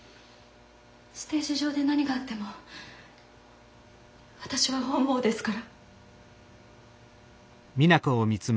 ステージ上で何があっても私は本望ですから。